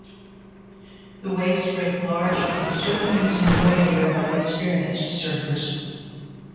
The waves break large and surfing is enjoyed here by experienced surfers.